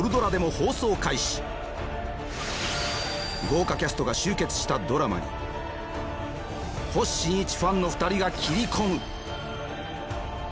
豪華キャストが集結したドラマに星新一ファンの２人が切り込む！